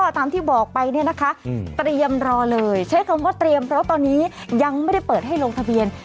ตามที่บอกไปเนี่ยนะคะเตรียมรอเลยใช้คำว่าเตรียมเพราะตอนนี้ยังไม่ได้เปิดให้ลงทะเบียน